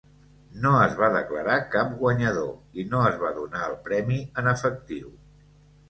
No es va declarar cap guanyador, i no es va donar el premi en efectiu.